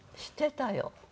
してたよ。